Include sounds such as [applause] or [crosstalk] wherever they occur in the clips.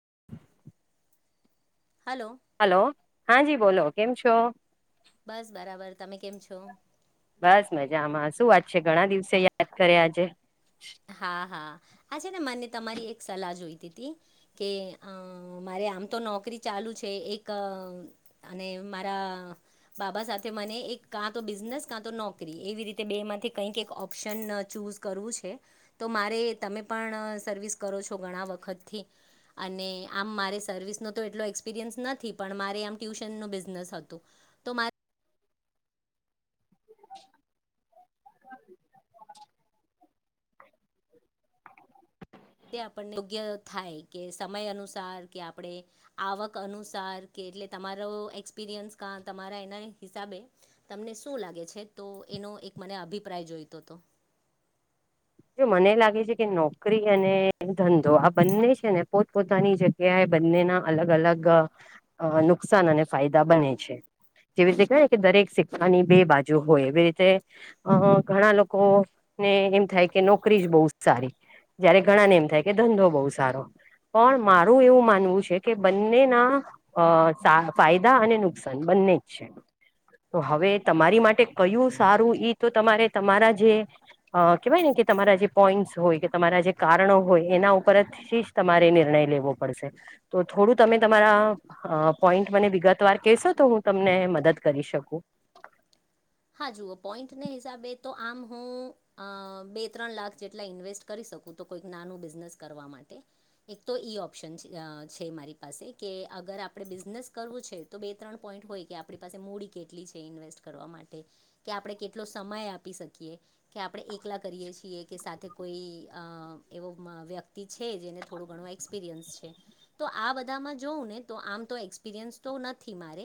[inaudible] Hello hello હા જ બોલો કેમ છો? બસ બરાબર તમે કેમ છો? બસ મજા આમાં શું વાત છે ઘણા દિવસે યાદ કરે આજે હા હા આછ ને મને તમારી એક સલાહ જોઈતી હતી કે મારે આમ તો નોકરી ચાલ લુ છે એક અને મારા બાબા સાથે મને એક કા તો બિઝનેસ કા તો નોકરી એવી રીતે બે માંથી કંઈક ઓપ્શન ચૂઝ કરવું છે તો મારે તમે પણ સર્વિસ કરો છો ઘણા વખતથી અને આમ મારે સર્વિસ ન તો એટલો એક્સપિરિયન્સ નથી પણ મારે આમ ટ્યુશન ન બિઝનેસ હતું તો મા [inaudible] તે આપણને યોગ્ય થાય કે સમય અનુસાર કે આપણે આવક અનુસાર કે એટલે તમા એક્સપિરિયન્સ તમારા એના હિસાબે તમને શું લાગે છે તો એક મને અભિપ્રાય જોઈતો હતો મને લાગે છે કે નોકરી અને ધંધો આ બંને છે ને પોતપોતાની જગ્યાએ બંને અલગ અલગ નુકસાન અને ફાયદા બને છે જેવી રીતે ક કે દરેક સિક્કાની બે બાજુ હોય એવી રીતે અ ઘણા લોકો ને એમ થાય કે નોકરી જ બહુ જ સારી જયારે ઘણા ને એમ થાય કે ધંધો બહુ સારો પણ મારું એવું માનવું છે કે બંનેના અ સા ફાયદા અને નુકસાન બંને છે. તો હવે તમારી માટે કયું સારું ઈ તો તમારે તમારા જે અ કેવાય ને કે તમારા જે પોઈન્ટસ હોય કે તમારા જે કારણો હોય એના ઉપરથી જ તમારે નિર્ણય લેવો પડશે તો તો થોડું તમે તમારા આ પોઈન્ટ મને વિગતવાર કહેશો તો હું તમને મદદ કરી શકું. [inaudible] હા જુઓ પોઈન્ટને હિસાબે તો આમ હું આ બે ત્રણ લાખ જેટલા ઇન્વેસ્ટ કરીશ. શકું તો કોઈક નાનું બિઝનેસ કરવા માટે. એક તો ઈ ઓપ્શન છે મારી પાસે કે અગર આપણે બિઝનેસ કરવું છે તો બે ત્રણ પોઇન્ટ ઇન્ટ હોય કે આપણી પાસે મૂડી કેટલી છે ઇન્વેસ્ટ કરવા માટ ટે કે આપણે કેટલો સમય આપી શકીએ કે આપણે એકલા કરીએ છીએ કે સાથ તે કોઈ આ એવો વ્યક્તિ છે જેને થોડો ઘણું એક્સપિરિયન્સ છે તો આ બધામાં જોવું ને તો આમ તો એક્સપિરિયન્સ તો નથી મારે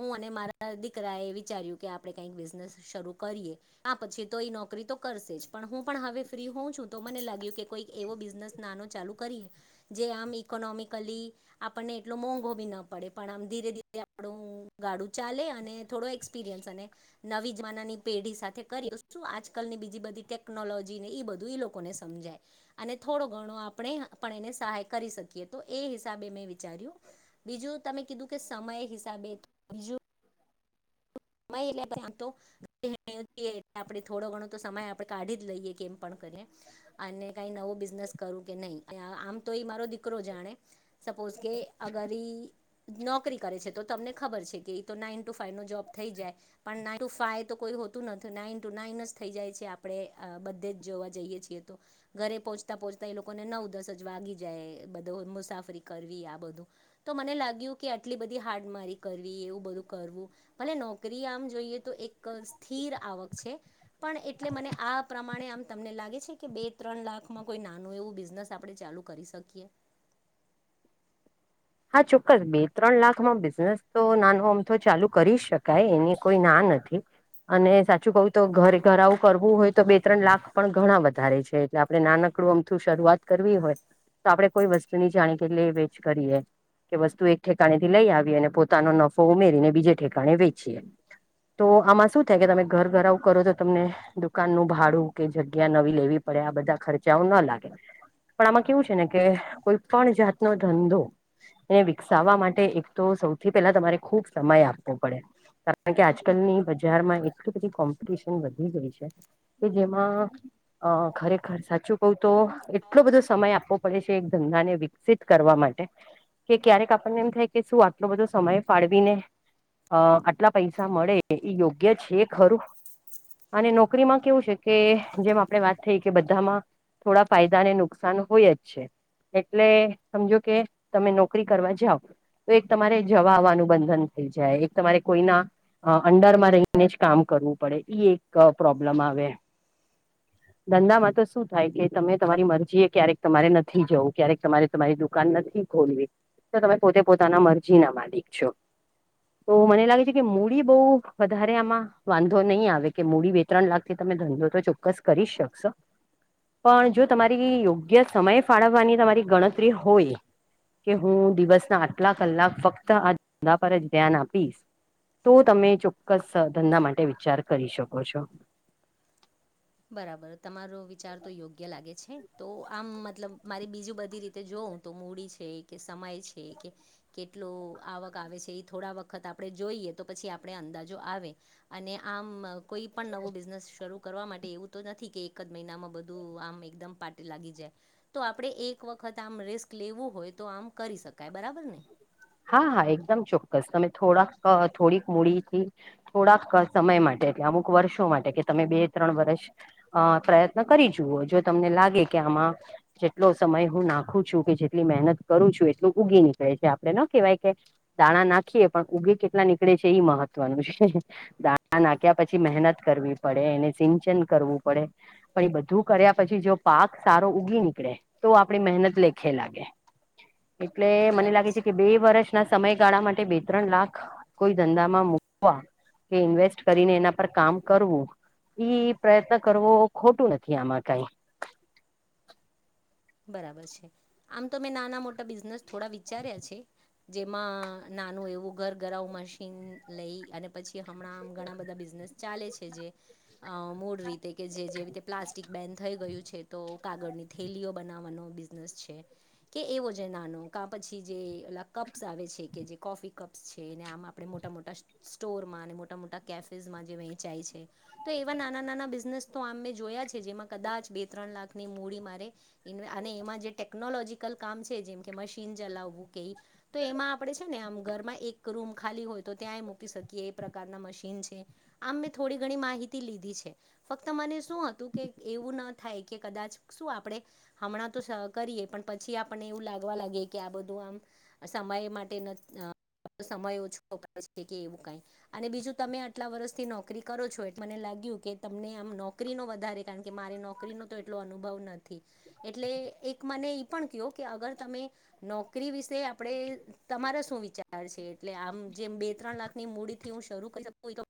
હું અને મારા દીકરા એ વિચાર્યું. કે આપડે કઈક બિઝનેસ શરૂ કરીએ આ પછી તો એ નોકરી તો તો કરશે જ પણ હું પણ હવે ફ્રી હોઉ છું તો મને લાગ્યું કે કોઈક એવો બિઝનેસ નાનો ચાલુ કરીએ. જે આમ ઈકોનોમિકલી આપણને એટલો મોંઘો બી ના પડે પણ આમ ધીરે ધીરે આપણું ગાડું ચાલે અને થોડો એક્સપિરિયન્સ અને નવી કાલ ની બીજી બધી ટેકનોલોજી ને બધું લોકોને સમજાય અને થોડો ઘણો આપણે પણ એને સહાય કરી શકીએ તો એ હિસાબે મેં વિ વિચાર્યું બીજું તમે કીધું કે સમય હિસાબે તો બીજું માય એટલે આમ તો [unintelligible] ને આપડે થોડો ઘણો તો સમય આપડે કાઢી જ લઈએ કેમ પણ ક કરે અને કઈ નવો બિઝનેસ કરું કે નહીં આમ તો ઈ મારો દીકરો જાણે સપો સપોસ કે અગર ઈ નોકરી કરે છે તો તમને ખબર છે કે ઈ તો નાઈન ટુ ફાઈવ નો જોબ થઈ જાય પણ નાન ટુ ફાઈવ તો કોઈ હોતું નથી નાન ટુ નાઇન જ થઈ જાય છે આપણેે આ બધે જ જોવા જઈએ છીએ તો ઘરે પહોચતા પહોચતા એ લોકોને નવ દસ જ વાગી જાય એ બધો મુસાફરી કા કરવી આ બધું તો મને લાગ્યું કે આટલી બધી હાડમારી કરવી એવું બધું કરવું ભલે નોકરી આમ જોઈએ તો એક સ્થિર આવક છે પણ એટલે મને આ પ્રમાણે આ તમને લાગે છે કે બે ત્રણ લાખમાં કોઈ નાનું એવું બિઝનેસ આપણે ચાલુ કરી શકીએ. [inaudible] હા ચોક્કસ બે ત્રણ લાખમાં બિઝનેસ તો નાનો આમ તો ચાલુ કરી શકાય એની કોઈ ના નથી. અને સાચું કઉ તો ઘરે ઘર આવું કરવું હોય તો બે ત્રણ લાખ પણ ઘણા વધારે છે એટલે આપડે નાનો આપડું અમથું શરૂઆત કરવી હોય તો આપડે કોઈ વસ્તુ ની જાણી કે લે વે જ કરીએ. કે વસ્તુ એક ઠેકાણે થી લઈ આવીએ અને પોતાનો નફો ઉમેરીને બીજે ઠેકાણે વેચીએ. તો આમાં શું થાય કે તમે ઘર ઘર આવું કરો તો તમને દુકાન નું ભાડું કે જગ્યા નવી લેવી પડે આ બધા ખર્ચાઓ ના લાગે પણ આમાં કેવું છે ને કે કોઈ પણ જાતનો ધંધો એને વિકસાવવા માટે એક તો સૌથી પેલા તમારે ખુબ સમય આપવો પડે. કારણ કે આજકાલની બજારમાં એટલી બધી કોમ્પિટિશન વધી ગઈ છે કે જેમાં અ ખરેખર સાચું કહું તો એટલો બધો સમય આપવો પડે છે એક ધંધાને વિકસિત કરવા માટે. કે ક્યારેક આપણને એમ થાય કે શું આટલો બધો સમય ફાળવી ને અ આટલા પૈસા મળે એ યોગ્ય છે ખરું. અને નોકરીમાં કેવું છે કે જેમ આપણેે વાત થઈ કે બધામાં થોડા ફાયદાને નુકસાન હોય જ છે એટલે સમજો કે તમે નોકરી કરવા જાવ તો એક તમારે જવા આવવાનું બંધન થઈ જાય એક તમારે કોઈના આ અંડરમાં રહીને જ કામ કરવું પડે ઈ એક પ્રોબ્લમ આવે. [inaudible] ધંધામાં તો શું થાય કે તમે તમારી મરજી એ ક્યારેક તમારે નથી જવું ક્યારેક તમારે તમારી દુકાન નથી ખોલવી તો તમે પોતે પોતાના મરજી ના માલિક છો. તો મને લાગે છે કે મૂડી બો વધારે આમાં વાંધો નહી આવે કે મૂડી બે ત્રણ લાખથી તો તમે ધંધો તો ચોક્કસ કરી શકશો. પણ જો તમારી યોગ્ય સમય ફાળવવાની તમારી ગણતરી હોય કે હું દિવસના આટલા કલાક ફક્ત આ ધંધા પર જ ધ્યાન આપીશ તો તમે ચોક્કસ ધંધા માટે વિચાર કરી શકો છો. બરાબર તમારો વિચાર તો યોગ્ય લાગે છે. તો આમ મતલબ મારી બીજું બધી રીતે જોઉ તો મૂડી છે કે સમય છે કે કે આવક આવે છે એ થોડા વખત આપણે જોઈએ તો પછી આપણે અંદાજો આવે અને આમ [inaudible] કેટલો કોઈ પણ નવું બિઝનેસ શરૂ કરવા માટે એવું તો નથી કે એક જ મહિનામાં બધું આમ એકદમ લાગી જાય તો આપડે એક રિસ્ક લેવું હોય તો આમ કરી શકાય બરાબર ને? હા હા એકદમ ચોક્કસ. તમે થોડાક થોડીક મૂડીથી થોડાક સમય માટ અમુક વર્ષો માટે કે તમે બે ત્રણ વર્ષ અ પ્રયત્ન કરી જુઓ જો તમને લાગે કે જેટલો સમય હું નાખું છું. કે જેટલી મહેનત કરું છું. એટલું ઉગી નીકળે છે. આપ ન કેવાય કે દાણા નાખીએ પણ ઉગે કેટલા નીકળે છે એ મહત્વનું છે દાણા નાખ્યા પછી મહેનત કરવી પડે એને સિંચન કરવું પડે. પણ એ બધું કર્યા પછી જો પા પાક સારો ઉગી નીકળે તો આપણી મહેનત લેખે લાગે. [inaudible] એટલે મને લાગે છે. કે બે વર્ષના સમયગાળા માટે બે ત્રણ લાખ કોઈ ધંધામાં મુકવા. કે ઇન્વેસ્ટ કરીને એના પર કામ કરવું. ઈ પ્રયત્ન કરવો ખોટું નથી આમાં કઈ. બરાબર છે આમ તો મેં નાના મોટા બિઝનેસ થોડા વિચાર્યા છે. જેમાં નાનું એવું ઘર ઘરવું મશીન લઈ અને પછી હમણાં આમ ઘણા બધા બિઝ ચાલે છે. જે મૂળ રી કે જે જેવી રીતે પ્લાસ્ટિક બેન થઈ ગયું છે. તો કાગળની થેલીઓ બનાવવાનો બિઝનેસ છે. કે એવો નાનો પછી જે પેલા કપ્સ આવે છે કે જે કોફી કપ્સ છે ને આમ આપણે મોટા મોટા સ્ટોરમાં અને મોટા મોટા કેફેઝમાં જે વેંચાય છે. તો એવા નાના નાના બિઝનેસ તો આ મે જોયા છે જેમાં કદાચ બે ત્રણ લાખની મૂડી મારે અને એમાં જે ટેકનોલોજીકલ કામ છે જેમ કે મશીન ચલાવવું કે તો એમાં આપડે છે ને ઘરમાં એક રૂમ ખાલી હોય તો ત્યાં મૂકી શકીએ એ પ્રકારના મશીન છે. આમ મેં થોડી ઘણી માહિતી લીધી છે. ફક્ત મને શું હતું કે એવું ના થાય કે કદાચ શું આપણેે હમણાં તો કરીએ પણ પછી આપણને એવું લાગવા લાગીએ કે આ બધું આમ સમય માટે સમય ઓછો કે એવું કઈ અને બીજું તમે આટલા વર્ષથી નોકરી કરો છો એટ મને લ લાગીયુ કે તમને આમ નોકરી નો વધારે કારણ કે મારે નોકરી નો તો એટલો અનુભવ નથી. એટલે એક મને ઈ પણ કહયો કે અગર તમે નોકરી વિશે આપણે તમારા શું વિચાર એટલે આમ જે બે ત્રણ લાખની મૂડી થી હું શરૂ કરી શકુ તો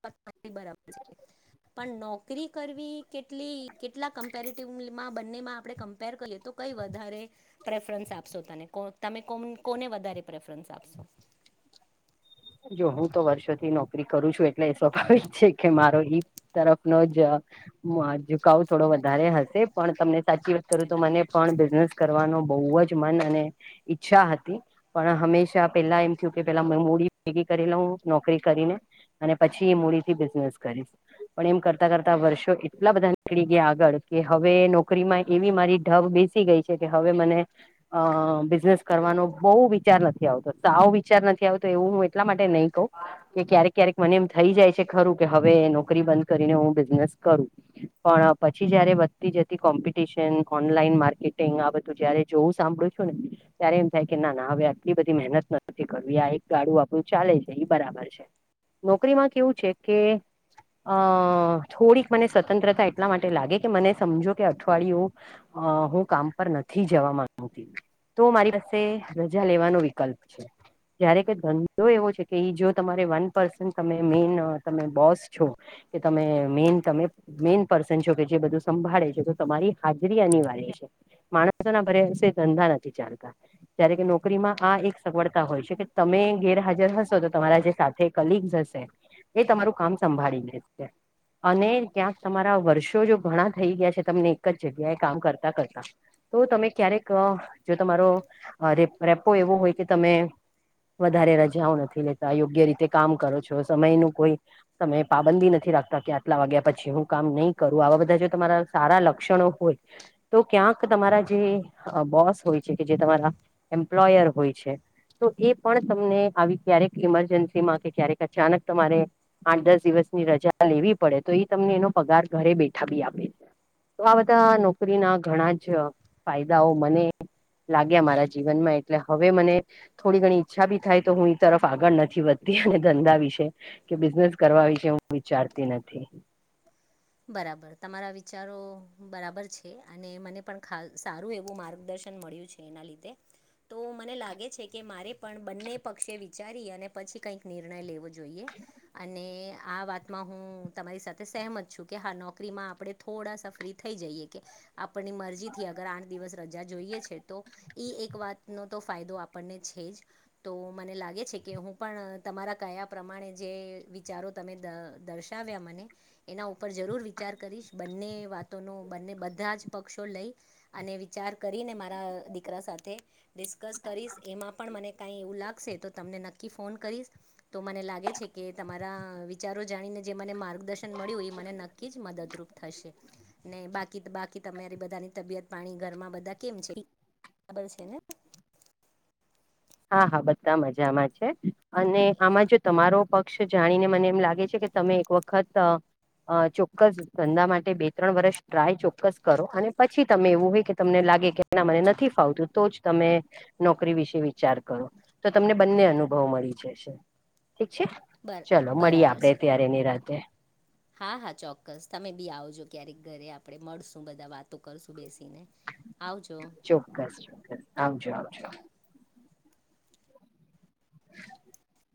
બરાબર છે. પણ નોકરી કરવી કેટલી કેટલા કમ્પેરેટિવમાં બંનેમાં આપણે કરી તો કઈ વધારે પ્રેફરન્સ આપશો તને તમે કોને વધારે પ્રેફરન્સ આપશો. [inaudible] જો હું તો વર્ષોથી નોકરી કરું છું એટલે એ સ્વાભાવિક છે. કે મારો તરફનો જ ઝુકાવ થોડો વધારે હશે પણ તમને સાચી વાત કરું તો મને પણ બિઝનેસ કરવાનો બવજ મન અને ઈચ્છા હતી પણ હંમેશા પેલા એમ થયું કે પેલા મૂડી ભેગી કરી લ હું નોકરી કરીને અને પછી એ મૂડી થી બિઝનેસ કરીશ. પણ એમ કરતા કરતા વર્ષો એટલા બધા નીકળી ગયા આગળ કે હવે નોકરીમાં એવી મારી ઢબ બેસી ગઈ છે કે હવે મને અ બિઝનેસ કરવા બહ વિચાર નથી આવતો. સાવ વિચાર નથી આવતો એવું એટલા માટે નહી કહું કે ક્યારેક ક્યારેક મને એમ થઈ જાય છે ખરું કે હવે નોકરી બંધ કરીને હું બિઝનેસ પણ પછી જયારે વધતી જતી કોમ્પિટશન ઓનલાઈન માર્કેટિંગ આ બધું જોવું સાભળું છું ને ત્યારે એમ થાય કે ના ના હવે આટલી બધી મહેનત નથી કરવી. આ એક ગાડું ચાલે છે ઈ બરાબર છે નોકરીમાં કેવું છે કે અ થોડીક મને સ્વતંત્રતા એટલા માટે લાગે કે મને સમજો કે અઠવાડિયું. અ હું કામ પર નથી જવા માંગતી. તો મારી પાસે રજા લેવાનો વિકલ્પ જય્યારે કે તો એવો છે કે જો તમારે વન પર્સન તમે મેન તમે બોસ છો કે તમે મેન તમે મેઇન પર્સન છો કે જે બધું સંભાળે છે તો તમારી હાજરી અનિવાર્ય છે ધંધા નથી ચાલતા જ્યારે કે નોકરીમાં આ એક સગવડતા હોય છે કે તમે ગે હાજર હશો તો તમારા જે સાથે કલીગ્સ હશે એ તમારું કામ સંભાળી લેશે. અને ક્યાંક તમારા વર્ષો જો ઘણા થઈ ગયા છે તમને એક જ જગ્યાએ કામ કરતા કરતા તો તમે ક્યારેક જો તમારો રેપો એવો હોય કે તમે. વધારે રજા. ઓ નથી લેતા યોગ્ય રીતે કામ કરો છો સમય નું કોઈ સમય પાબંદી નથી રાખતા કે આટલા વાગે. પછી હું કામ નહીં કરું આવા બધા જો તમારા સારા લક્ષણો હોય તો ક્યાંક તમારા જે બોસ હોય છે કે જે તમારા એમ્પ્લોયર હોય છે તો એ પણ તમને આવી ક્યારેક ઈમરજન્સી માં કે ક્યારેક અચાનક તમારે આઠ દસ દિવસની રજા લેવી પડે તો એ તમને એનો પગાર ઘરે બેઠા બી આપે. તો આ બધા નોકરી ના ઘણા જ ફાયદાઓ મને લાગ્યા મારા જીવન માં એટલે હવે મને થોડી ઘણી ઈચ્છા બી થાય તો હું એ તરફ આગળ નથી વધતી અને ધંધા વિશે કે બિઝનેસ કરવા વિશે હું વિચારતી નથી. [inaudible] બરાબર તમારા વિચારો બરાબર છે અને મને પણ સારું એવું માર્ગદર્શન. મળ્યું છે એના લીધે. તો મને લાગે છે કે મારે પણ બંને પક્ષે વિચારી અને પછી કઈક નિર્ણય લેવો જોઈએ. અને આ વાતમાં હું તમારી સાથે સહેમત છું. કે હા નોકરીમાં આપણે થોડાસા ફ્રી થઈ જઈએ કે આપણની મરજી થી અગર આઠ દિવસ રજા જોઈએ છે તો ઇ એક વાતનો તો ફાયદો આપણને છે જ તો મને લાગે છે કે હું પણ. પણ તમારા કયા પ્રમાણે જે વિચારો તમે દર્શાવ્યા મને એના ઉપર. પર જરૂર વિચાર કરીશ બંને વાતોનો બને બધા જ પક્ષો લઈ અને વિચાર કરી મારા દીકરા સાથે ડિસ્કસ કરીસ એમાં પણ મને કાય એવું લાગશે તો તમને નક્કી ફોન કરીસ તો મને લાગે છે કે તમારા વિચારો જાણીને જે મને માર્ગદર્શન મળ્યું એ મને નક્કી જ મદદરૂપ થશે ને બાકી. બાકી તમારી બધાની તબિયત પાણી ઘરમાં બધા કેમ છે બરાબર છે ને. [inaudible] હા હા બધા મજામાં છે અને આમાં જો તમારો પગ જાણીને મને એમ લાગે છે કે તમે એક વખત અ અ ચોક્કસ ધંધા માટે બે ત્રણ વર્ષ ટ્રાય ચોક્કસ કરો અને પછી તમે એવું હોય કે તમને લાગે કે એના મને નથી ફાવતું તો જ તમે નોકરી વિશે વિચાર કરો તો તમને બંને અનુભવ મળી જશે. ઠીક છે ભલે ચલો મળીએ બરાબર છે આપડે ત્યારે નીરાતેે. હા હા ચોક્કસ તમે બી આવજો ક્યારેક ઘરે આપડે મળશું બધા વાતો કરશું બેસી. ચોક્કસ ચોક્કસ આવજો આવજો. [inaudible]